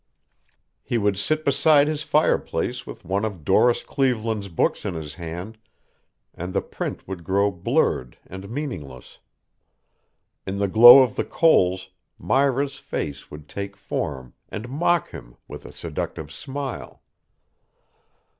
He would sit beside his fireplace with one of Doris Cleveland's books in his hand and the print would grow blurred and meaningless. In the glow of the coals Myra's face would take form and mock him with a seductive smile.